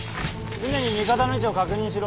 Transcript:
常に味方の位置を確認しろ。